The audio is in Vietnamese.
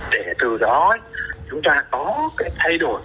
để từ đó chúng ta có thay đổi